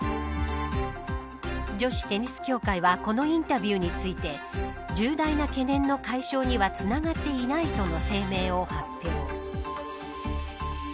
女子テニス協会はこのインタビューについて重大な懸念の解消にはつながっていないとの声明を発表。